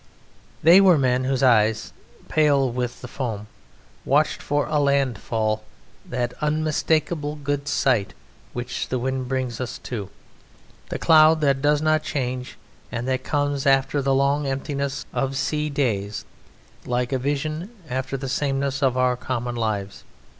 They were men whose eyes, pale with the foam, watched for a landfall, that unmistakable good sight which the wind brings us to, the cloud that does not change and that comes after the long emptiness of sea days like a vision after the sameness of our common lives.